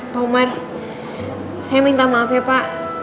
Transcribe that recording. pak umar saya minta maaf ya pak